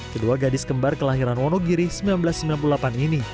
kedua gadis kembar kelahiran wonogiri seribu sembilan ratus sembilan puluh delapan ini